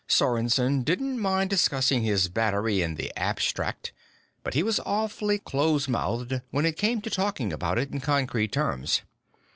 Sorensen didn't mind discussing his battery in the abstract, but he was awfully close mouthed when it came to talking about it in concrete terms.